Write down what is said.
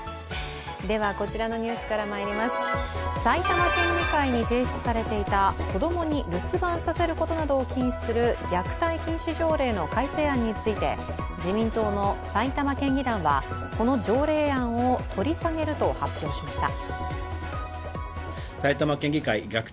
埼玉県議会に提出されていた子供に留守番させることなどを禁止する虐待禁止条例の改正案について自民党の埼玉県議団はこの条例案を取り下げると発表しました。